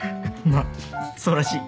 まあそうらしい。